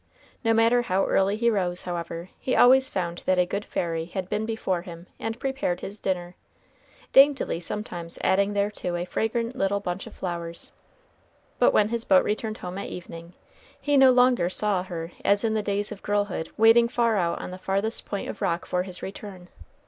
No matter how early he rose, however, he always found that a good fairy had been before him and prepared his dinner, daintily sometimes adding thereto a fragrant little bunch of flowers. But when his boat returned home at evening, he no longer saw her as in the days of girlhood waiting far out on the farthest point of rock for his return.